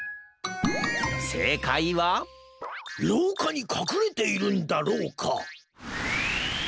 せいかいはろうかにかくれているんだろうか？